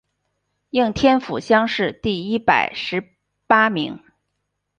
应天府乡试第一百十八名。